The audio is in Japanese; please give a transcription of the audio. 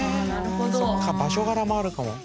そっか場所柄もあるかも。